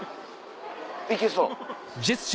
行けそう？